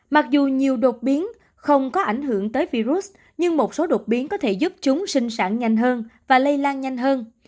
mặc dù nhiều đột biến không có ảnh hưởng tới virus nhưng một số đột biến có thể giúp chúng sinh sản nhanh hơn và lây lan nhanh hơn